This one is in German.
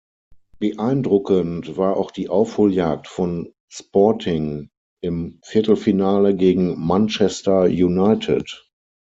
Beeindruckend war auch die Aufholjagd von Sporting im Viertelfinale gegen Manchester United.